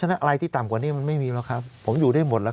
อะไรที่ต่ำกว่านี้มันไม่มีหรอกครับผมอยู่ได้หมดแล้ว